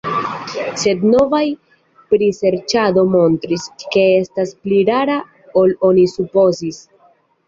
Sed novaj priserĉado montris, ke estas pli rara ol oni supozis.